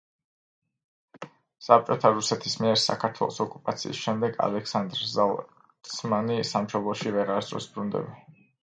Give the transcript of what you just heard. საბჭოთა რუსეთის მიერ საქართველოს ოკუპაციის შემდეგ ალექსანდრ ზალცმანი სამშობლოში ვეღარასოდეს ბრუნდება.